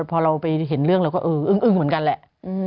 พอเราไปเห็นเรื่องเราก็เอออึ้งเหมือนกันแหละ